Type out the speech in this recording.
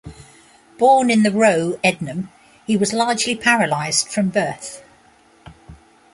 Born in the Row, Ednam, he was largely paralysed from birth.